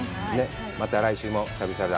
また来週も旅サラダ、